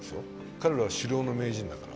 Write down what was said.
彼らは狩猟の名人だから。